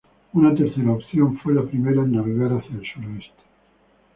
Una tercera opción fue la primera en navegar hacia el suroeste.